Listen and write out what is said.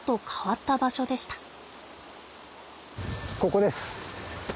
ここです！